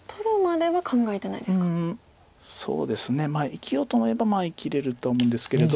生きようと思えば生きれるとは思うんですけれど。